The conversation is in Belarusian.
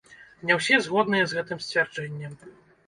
Не ўсе згодныя з гэтым сцвярджэннем.